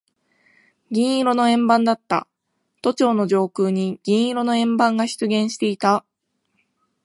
銀色の円盤だった。都庁の上空に銀色の円盤が出現していた。